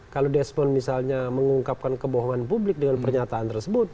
kalau desmond misalnya mengungkapkan kebohongan publik dengan pernyataan tersebut